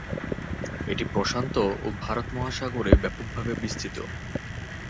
এটি প্রশান্ত ও ভারত মহাসাগরে ব্যাপকভাবে বিস্তৃত।